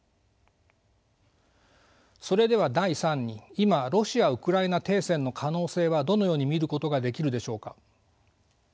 それでは第３に今ロシア・ウクライナ停戦の可能性はどのように見ることができるでしょうか。